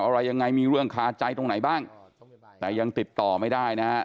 อะไรยังไงมีเรื่องคาใจตรงไหนบ้างแต่ยังติดต่อไม่ได้นะฮะ